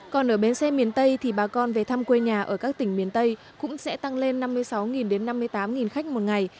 còn ở bến xe miền tây thì bà con về thăm quê nhà ở các tỉnh miền tây cũng sẽ tăng lên năm mươi sáu năm mươi tám khách một ngày